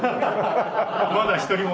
まだ一人も。